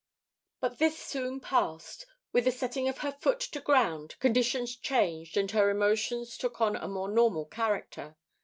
But this soon passed. With the setting of her foot to ground, conditions changed and her emotions took on a more normal character.